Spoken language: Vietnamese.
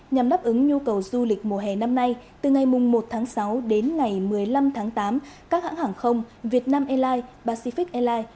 nhằm đáp ứng nhu cầu du lịch mùa hè năm nay từ ngày một tháng sáu đến ngày một mươi năm tháng tám các hãng hàng không việt nam airlines pacific airlines